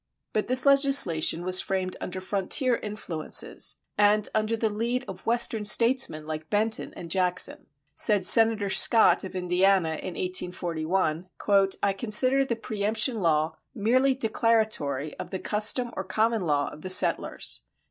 But this legislation was framed under frontier influences, and under the lead of Western statesmen like Benton and Jackson. Said Senator Scott of Indiana in 1841: "I consider the preëmption law merely declaratory of the custom or common law of the settlers."